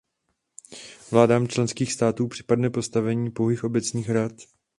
Vládám členských států připadne postavení pouhých obecních rad.